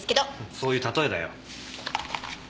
そういう例えだよ。